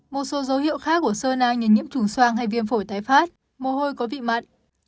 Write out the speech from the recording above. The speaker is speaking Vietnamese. một số dấu hiệu khác của sơ nang như nhiễm trùng soang hay viêm phổi tái phát mồ hôi có vị mặn